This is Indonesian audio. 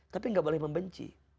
tapi gak boleh membenci